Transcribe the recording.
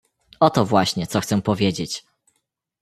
"Oto właśnie, co chcę powiedzieć!"